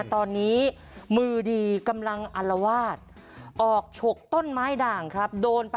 ตอนนี้มือดีกำลังอลวาดออกฉกต้นไม้ด่างครับ